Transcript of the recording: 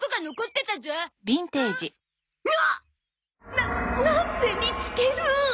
ななんで見つける